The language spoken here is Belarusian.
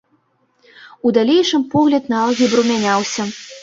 У далейшым погляд на алгебру мяняўся.